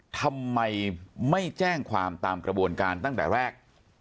ทำไมไม่แจ้งความตามกระบวนการตั้งแต่แรก